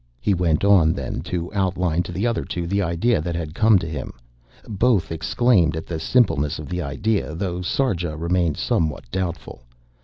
He went on then to outline to the other two the idea that had come to him. Both exclaimed at the simpleness of the idea, though Sarja remained somewhat doubtful.